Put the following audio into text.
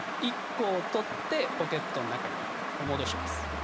１個を取ってポケットの中に戻します。